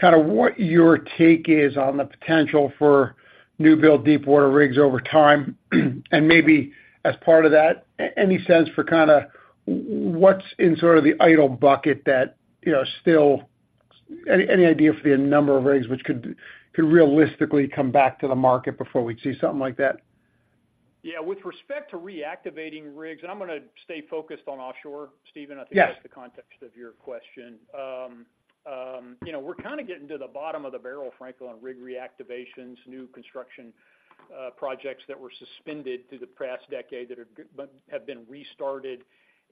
kind of what your take is on the potential for newbuild deepwater rigs over time? And maybe as part of that, any sense for kind of, what's in sort of the idle bucket that, you know, still... Any idea for the number of rigs, which could realistically come back to the market before we'd see something like that? Yeah, with respect to reactivating rigs, and I'm gonna stay focused on offshore, Stephen- Yes. I think that's the context of your question. You know, we're kind of getting to the bottom of the barrel, frankly, on rig reactivations, new construction, projects that were suspended through the past decade, that are but have been restarted.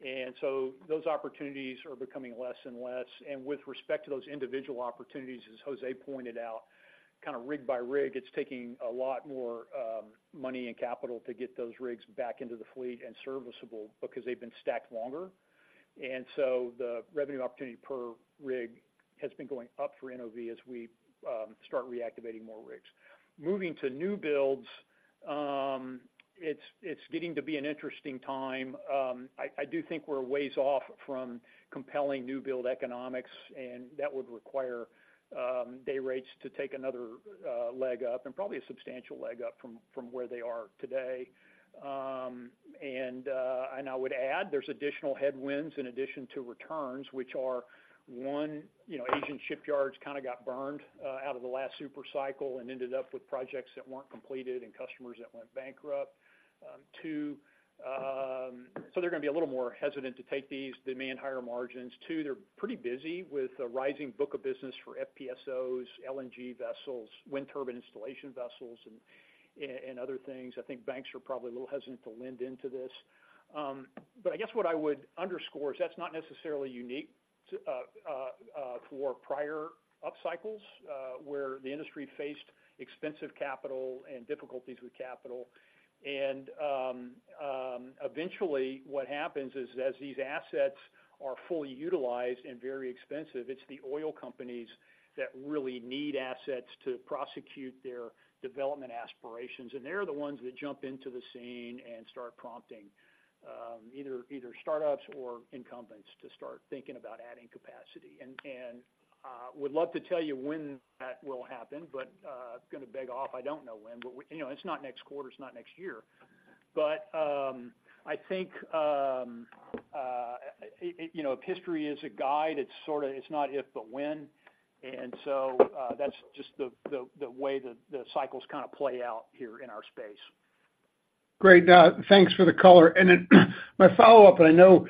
And so those opportunities are becoming less and less. And with respect to those individual opportunities, as Jose pointed out, kind of rig by rig, it's taking a lot more money and capital to get those rigs back into the fleet and serviceable, because they've been stacked longer. And so the revenue opportunity per rig has been going up for NOV as we start reactivating more rigs. Moving to newbuilds, it's getting to be an interesting time. I do think we're ways off from compelling newbuild economics, and that would require day rates to take another leg up, and probably a substantial leg up from where they are today. And I would add, there's additional headwinds in addition to returns, which are one, you know, Asian shipyards kind of got burned out of the last supercycle and ended up with projects that weren't completed and customers that went bankrupt. Two, so they're gonna be a little more hesitant to take these. Demand higher margins. Two, they're pretty busy with a rising book of business for FPSOs, LNG vessels, wind turbine installation vessels, and other things. I think banks are probably a little hesitant to lend into this. But I guess what I would underscore is that's not necessarily unique to for prior upcycles where the industry faced expensive capital and difficulties with capital. And eventually, what happens is, as these assets are fully utilized and very expensive, it's the oil companies that really need assets to prosecute their development aspirations, and they're the ones that jump into the scene and start prompting either startups or incumbents to start thinking about adding capacity. And would love to tell you when that will happen, but gonna beg off, I don't know when, but you know, it's not next quarter, it's not next year. But I think you know, if history is a guide, it's sort of, it's not if but when. And so, that's just the way the cycles kind of play out here in our space. Great. Thanks for the color. And then, my follow-up, and I know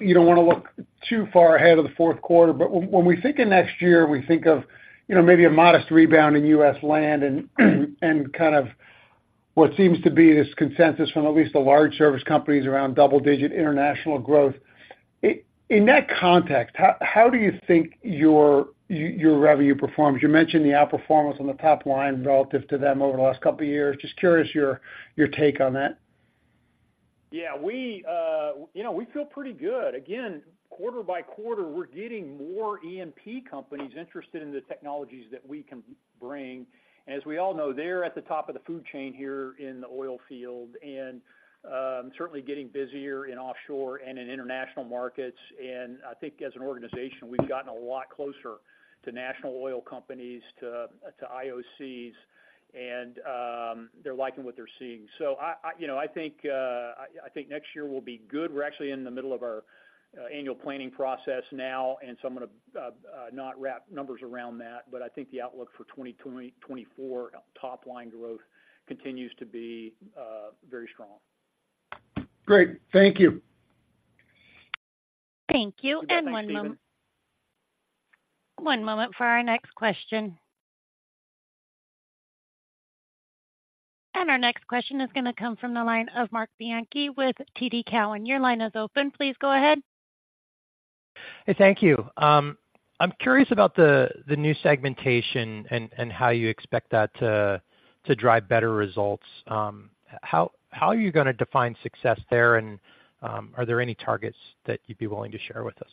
you don't want to look too far ahead of the fourth quarter, but when we think of next year, we think of, you know, maybe a modest rebound in U.S. land and kind of what seems to be this consensus from at least the large service companies around double-digit international growth. In that context, how do you think your revenue performs? You mentioned the outperformance on the top line relative to them over the last couple of years. Just curious your take on that. Yeah, we, you know, we feel pretty good. Again, quarter by quarter, we're getting more E&P companies interested in the technologies that we can bring. As we all know, they're at the top of the food chain here in the oilfield, and certainly getting busier in offshore and in international markets. And I think as an organization, we've gotten a lot closer to national oil companies, to to IOCs, and they're liking what they're seeing. So I, I, you know, I think, I, I think next year will be good. We're actually in the middle of our annual planning process now, and so I'm gonna not wrap numbers around that, but I think the outlook for 2024 top line growth continues to be very strong. Great. Thank you. Thank you. Thanks, Stephen. One moment for our next question. Our next question is gonna come from the line of Marc Bianchi with TD Cowen. Your line is open, please go ahead. Hey, thank you. I'm curious about the new segmentation and how you expect that to drive better results. How are you gonna define success there? And, are there any targets that you'd be willing to share with us?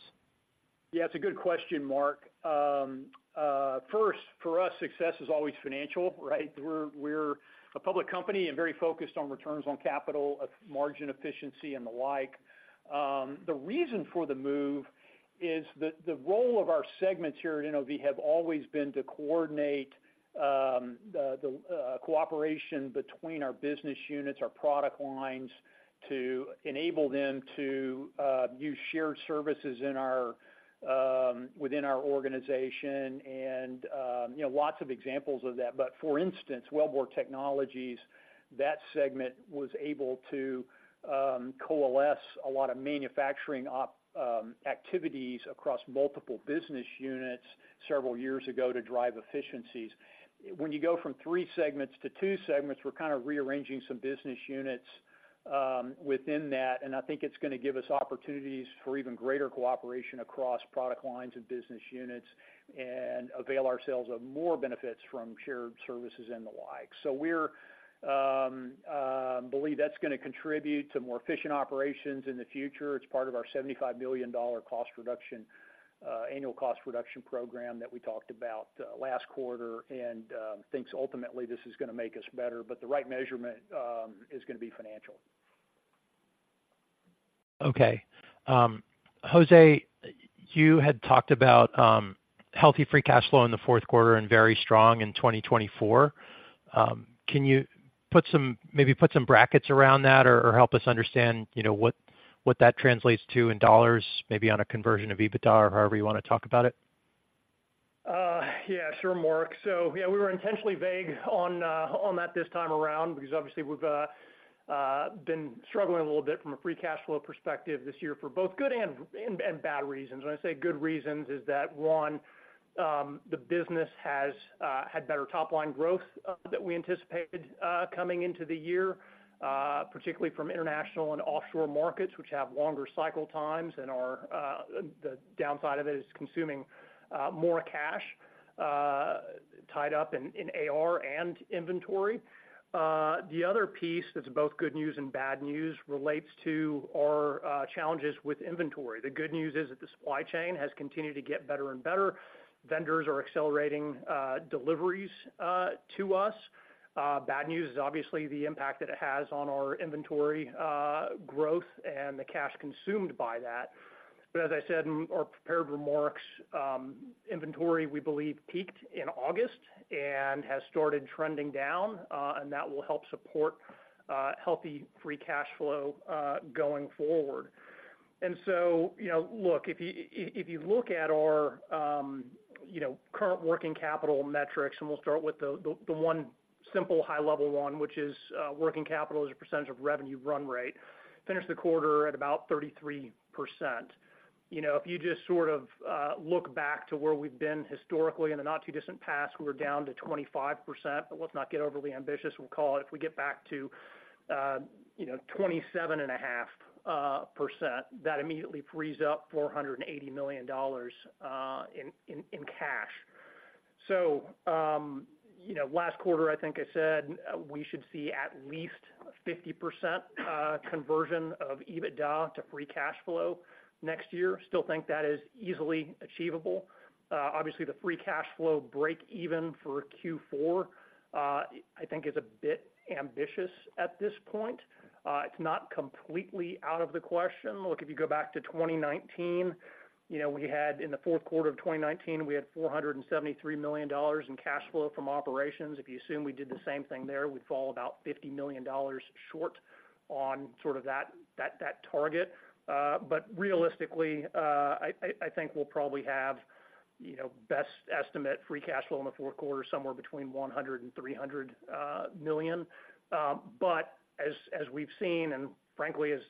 Yeah, it's a good question, Marc. First, for us, success is always financial, right? We're a public company and very focused on returns on capital, margin efficiency, and the like. The reason for the move is that the role of our segments here at NOV have always been to coordinate the cooperation between our business units, our product lines, to enable them to use shared services within our organization, and you know, lots of examples of that. But for instance, Wellbore Technologies, that segment was able to coalesce a lot of manufacturing activities across multiple business units several years ago to drive efficiencies. When you go from three segments to two segments, we're kind of rearranging some business units within that, and I think it's gonna give us opportunities for even greater cooperation across product lines and business units, and avail ourselves of more benefits from shared services and the like. So we're believe that's gonna contribute to more efficient operations in the future. It's part of our $75 million annual cost reduction program that we talked about last quarter, and thinks ultimately this is gonna make us better, but the right measurement is gonna be financial. Okay. Jose, you had talked about healthy free cash flow in the fourth quarter and very strong in 2024. Can you put some—maybe put some brackets around that or help us understand, you know, what that translates to in dollars, maybe on a conversion of EBITDA, or however you want to talk about it? Yeah, sure, Marc. So yeah, we were intentionally vague on that this time around, because obviously we've been struggling a little bit from a free cash flow perspective this year for both good and bad reasons. When I say good reasons, one, the business has had better top-line growth than we anticipated coming into the year, particularly from international and offshore markets, which have longer cycle times and the downside of it is consuming more cash tied up in AR and inventory. The other piece that's both good news and bad news relates to our challenges with inventory. The good news is that the supply chain has continued to get better and better. Vendors are accelerating deliveries to us. Bad news is obviously the impact that it has on our inventory growth and the cash consumed by that. But as I said, in our prepared remarks, inventory, we believe, peaked in August and has started trending down, and that will help support, healthy free cash flow, going forward. And so, you know, look, if you look at our, you know, current working capital metrics, and we'll start with the one simple high-level one, which is, working capital as a percentage of revenue run rate, finished the quarter at about 33%. You know, if you just sort of, look back to where we've been historically in the not-too-distant past, we're down to 25%, but let's not get overly ambitious. We'll call it, if we get back to, you know, 27.5%, that immediately frees up $480 million in cash. So, you know, last quarter, I think I said, we should see at least 50% conversion of EBITDA to free cash flow next year. Still think that is easily achievable. Obviously, the free cash flow break even for Q4, I think is a bit ambitious at this point. It's not completely out of the question. Look, if you go back to 2019, you know, we had in the fourth quarter of 2019, we had $473 million in cash flow from operations. If you assume we did the same thing there, we'd fall about $50 million short on sort of that target. But realistically, I think we'll probably have, you know, best estimate free cash flow in the fourth quarter, somewhere between $100 million and $300 million. But as we've seen, and frankly, as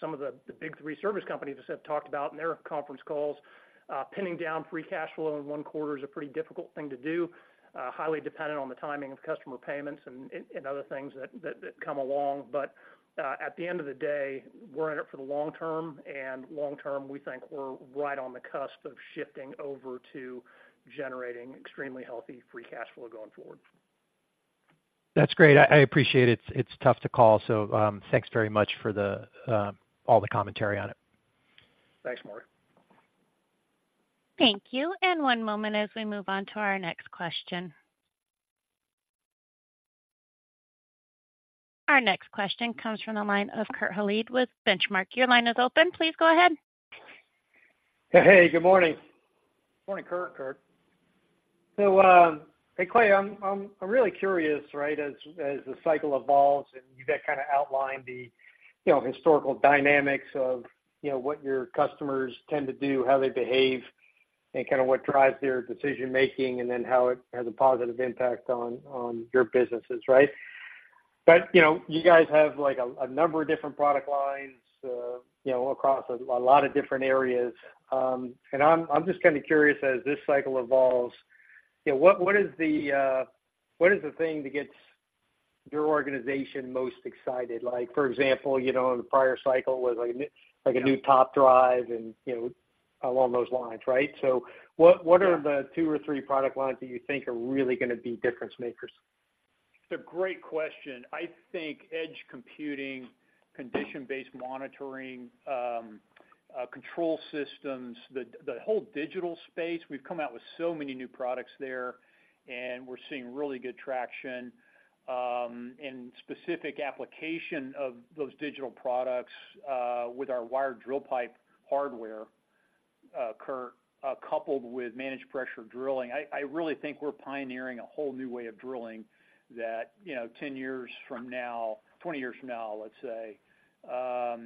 some of the big three service companies have talked about in their conference calls, pinning down free cash flow in one quarter is a pretty difficult thing to do, highly dependent on the timing of customer payments and other things that come along. But at the end of the day, we're in it for the long term, and long term, we think we're right on the cusp of shifting over to generating extremely healthy free cash flow going forward. That's great. I appreciate it. It's tough to call, so thanks very much for all the commentary on it. Thanks, Marc. Thank you. One moment as we move on to our next question. Our next question comes from the line of Kurt Hallead with Benchmark. Your line is open. Please go ahead. Hey, good morning. Morning, Kurt. Kurt. So, hey, Clay, I'm really curious, right? As the cycle evolves, and you guys kind of outlined the, you know, historical dynamics of, you know, what your customers tend to do, how they behave, and kind of what drives their decision making, and then how it has a positive impact on your businesses, right? But, you know, you guys have, like, a number of different product lines, you know, across a lot of different areas. And I'm just kind of curious, as this cycle evolves, you know, what is the thing that gets your organization most excited? Like, for example, you know, in the prior cycle was, like, a new, like a new top drive and, you know, along those lines, right? So what, what are the two or three product lines that you think are really gonna be difference makers? It's a great question. I think edge computing, condition-based monitoring, control systems, the whole digital space, we've come out with so many new products there, and we're seeing really good traction. In specific application of those digital products, with our wired drill pipe hardware, Kurt, coupled with managed pressure drilling, I really think we're pioneering a whole new way of drilling that, you know, 10 years from now, 20 years from now, let's say,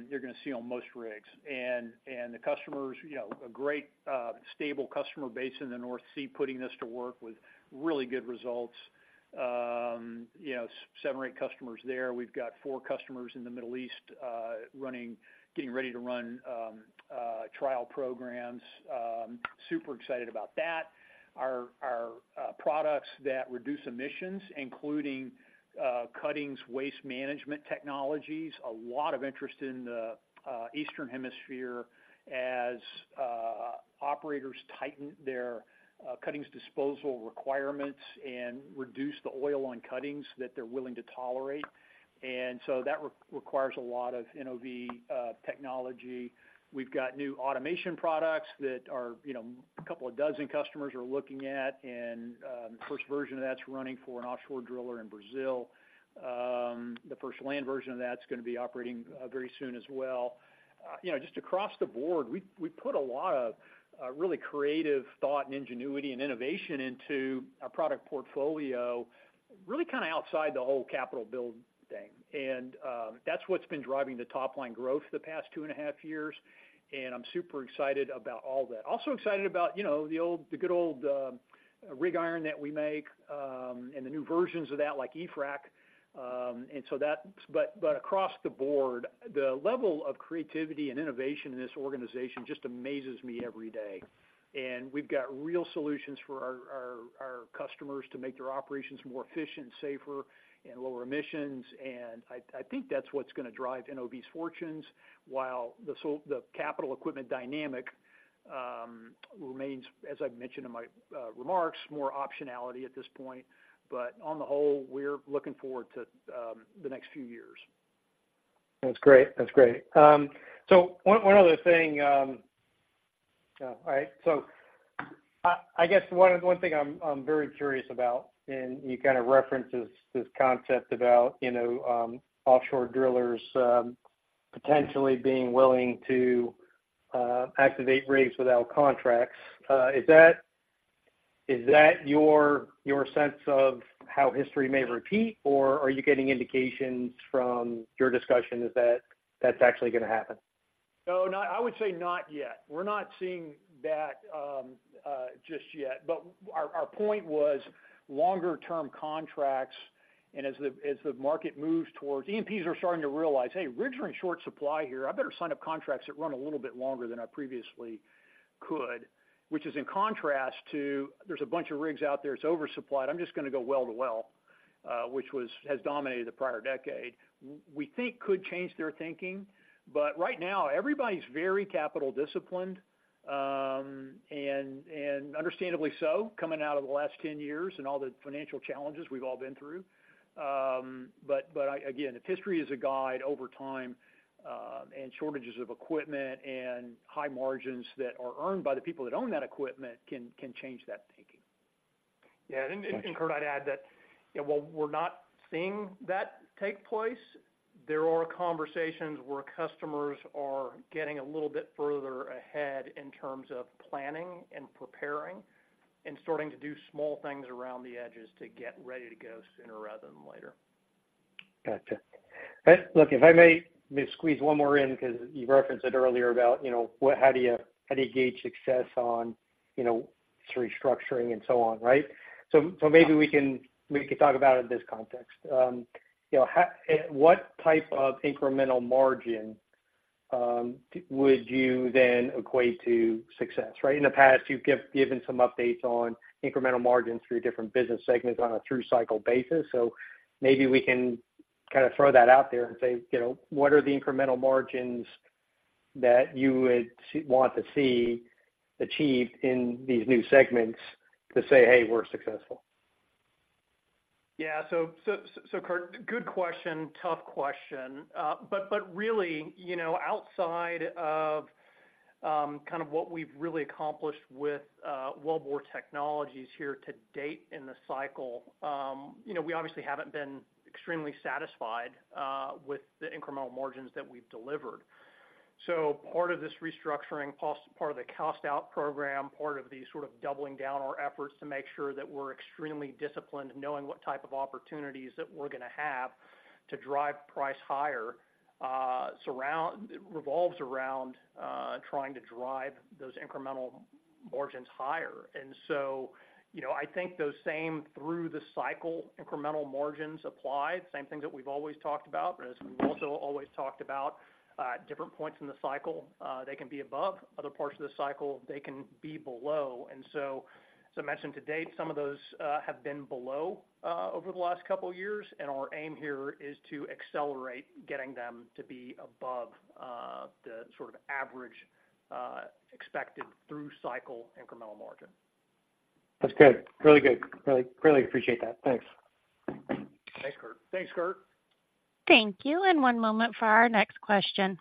you're gonna see on most rigs. And the customers, you know, a great stable customer base in the North Sea, putting this to work with really good results. You know, seven or eight customers there. We've got four customers in the Middle East, running, getting ready to run trial programs. Super excited about that. Our products that reduce emissions, including cuttings waste management technologies, a lot of interest in the Eastern Hemisphere as operators tighten their cuttings disposal requirements and reduce the oil on cuttings that they're willing to tolerate. And so that requires a lot of NOV technology. We've got new automation products that are, you know, a couple of dozen customers are looking at, and the first version of that's running for an offshore driller in Brazil. The first land version of that's gonna be operating very soon as well. You know, just across the board, we put a lot of really creative thought and ingenuity and innovation into our product portfolio, really kind of outside the whole capital build thing. And, that's what's been driving the top line growth the past two and a half years, and I'm super excited about all that. Also excited about, you know, the old, the good old, rig iron that we make, and the new versions of that, like eFrac. And so that—but, but across the board, the level of creativity and innovation in this organization just amazes me every day. And we've got real solutions for our, our, our customers to make their operations more efficient, safer, and lower emissions. And I, I think that's what's gonna drive NOV's fortunes, while the sol—the capital equipment dynamic, remains, as I've mentioned in my, remarks, more optionality at this point, but on the whole, we're looking forward to, the next few years. That's great. That's great. So one other thing, all right. So I guess one thing I'm very curious about, and you kind of referenced this concept about, you know, offshore drillers potentially being willing to activate rigs without contracts. Is that your sense of how history may repeat, or are you getting indications from your discussion is that, that's actually gonna happen? No, not yet. I would say not yet. We're not seeing that just yet, but our point was longer term contracts, and as the market moves towards E&Ps are starting to realize, "Hey, rigs are in short supply here. I better sign up contracts that run a little bit longer than I previously could," which is in contrast to, "There's a bunch of rigs out there, it's oversupplied. I'm just gonna go well to well," which has dominated the prior decade. We think could change their thinking, but right now, everybody's very capital disciplined, and understandably so, coming out of the last ten years and all the financial challenges we've all been through. But again, if history is a guide over time, and shortages of equipment and high margins that are earned by the people that own that equipment can change that thinking. Yeah, and Kurt, I'd add that, you know, while we're not seeing that take place, there are conversations where customers are getting a little bit further ahead in terms of planning and preparing, and starting to do small things around the edges to get ready to go sooner rather than later. Gotcha. But look, if I may, may squeeze one more in, because you referenced it earlier about, you know, what, how do you, how do you gauge success on, you know, this restructuring and so on, right? So, so maybe we can, we can talk about it in this context. You know, how, what type of incremental margin, would you then equate to success, right? In the past, you've given some updates on incremental margins through different business segments on a through-cycle basis. So maybe we can kind of throw that out there and say, you know, what are the incremental margins that you would see-- want to see achieved in these new segments to say, "Hey, we're successful? Yeah. So, Kurt, good question. Tough question. But really, you know, outside of kind of what we've really accomplished with Wellbore Technologies here to date in the cycle, you know, we obviously haven't been extremely satisfied with the incremental margins that we've delivered. So part of this restructuring, part of the cost-out program, part of the sort of doubling down our efforts to make sure that we're extremely disciplined in knowing what type of opportunities that we're gonna have to drive price higher, revolves around trying to drive those incremental margins higher. And so, you know, I think those same through the cycle, incremental margins apply. Same things that we've always talked about, but as we've also always talked about, different points in the cycle, they can be above other parts of the cycle, they can be below. And so, as I mentioned, to date, some of those have been below over the last couple of years, and our aim here is to accelerate getting them to be above the sort of average expected through cycle incremental margin. That's good. Really good. Really, really appreciate that. Thanks. Thanks, Kurt. Thanks, Kurt. Thank you. One moment for our next question.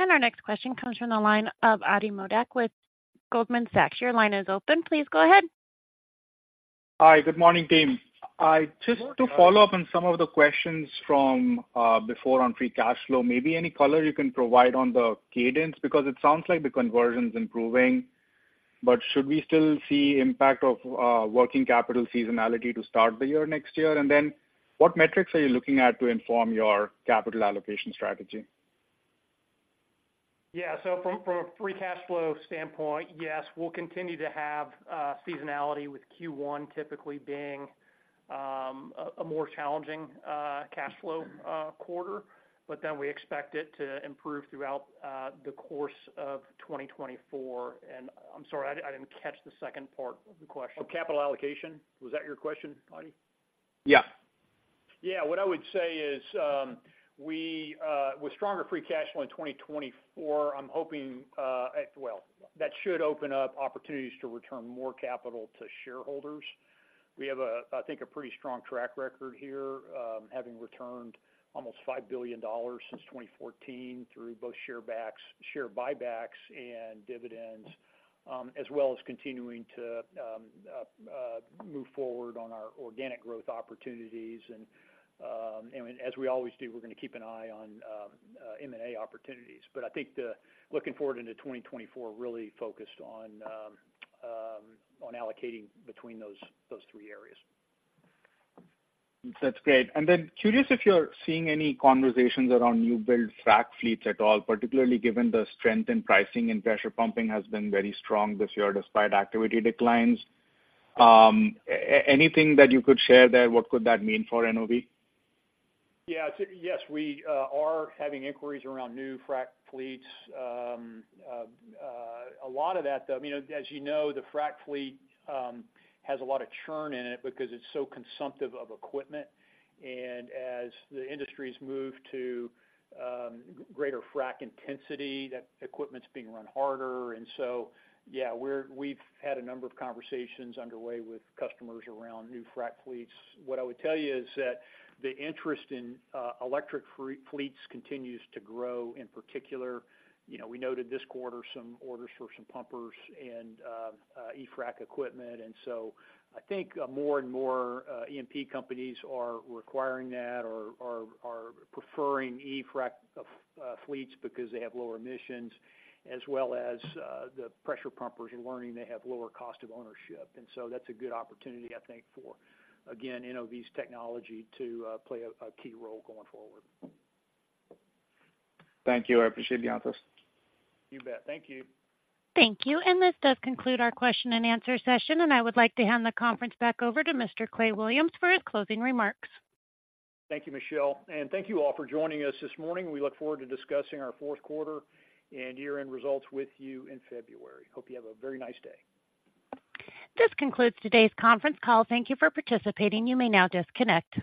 Our next question comes from the line of Ati Modak with Goldman Sachs. Your line is open. Please go ahead. Hi, good morning, team. Just to follow up on some of the questions from before on free cash flow, maybe any color you can provide on the cadence, because it sounds like the conversion is improving, but should we still see impact of working capital seasonality to start the year next year? And then, what metrics are you looking at to inform your capital allocation strategy? Yeah. So from a free cash flow standpoint, yes, we'll continue to have seasonality with Q1 typically being a more challenging cash flow quarter, but then we expect it to improve throughout the course of 2024. And I'm sorry, I didn't catch the second part of the question. Oh, capital allocation. Was that your question, Ati? Yeah. Yeah. What I would say is, we with stronger free cash flow in 2024, I'm hoping, well, that should open up opportunities to return more capital to shareholders. We have a, I think, a pretty strong track record here, having returned almost $5 billion since 2014 through both share backs, share buybacks and dividends, as well as continuing to move forward on our organic growth opportunities. And as we always do, we're gonna keep an eye on M&A opportunities. But I think the looking forward into 2024, really focused on allocating between those three areas. That's great. And then curious if you're seeing any conversations around newbuild frac fleets at all, particularly given the strength in pricing and pressure pumping has been very strong this year, despite activity declines. Anything that you could share there, what could that mean for NOV? Yeah. Yes, we are having inquiries around new frac fleets. A lot of that, though, I mean, as you know, the frac fleet has a lot of churn in it because it's so consumptive of equipment. And as the industry's moved to greater frac intensity, that equipment's being run harder. And so, yeah, we're- we've had a number of conversations underway with customers around new frac fleets. What I would tell you is that the interest in electric frac fleets continues to grow. In particular, you know, we noted this quarter some orders for some pumpers and eFrac equipment. And so I think more and more E&P companies are requiring that or are preferring eFrac fleets because they have lower emissions, as well as the pressure pumpers are learning they have lower cost of ownership. And so that's a good opportunity, I think, for, again, NOV's technology to play a key role going forward. Thank you. I appreciate the answers. You bet. Thank you. Thank you. This does conclude our question and answer session, and I would like to hand the conference back over to Mr. Clay Williams for his closing remarks. Thank you, Michelle, and thank you all for joining us this morning. We look forward to discussing our fourth quarter and year-end results with you in February. Hope you have a very nice day. This concludes today's conference call. Thank you for participating. You may now disconnect.